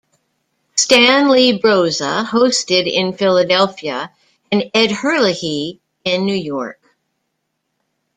Stan Lee Broza hosted in Philadelphia and Ed Herlihy in New York.